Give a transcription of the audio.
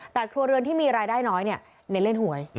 แต่ครัวเรือนที่มีรายได้น้อยเน้นเล่นหวย